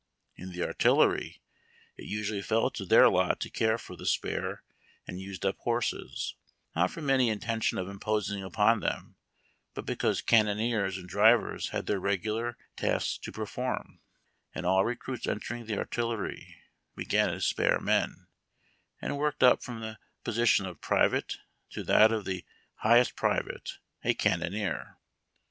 In the artillery, it usually fell to their lot to care for the spare and used up horses, not from any intention of imposing upon them, but because cannoneers and drivers had their regular tasks to perform, and all recruits entering the artillery l)egan as spare men, and worked uj) from the position of private to that of the highest private — a cannoneer.